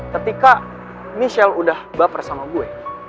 ketika michelle udah baper sama gue